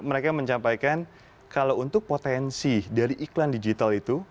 mereka mencapaikan kalau untuk potensi dari iklan digital itu